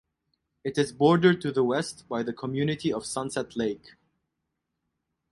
It is bordered to the west by the community of Sunset Lake.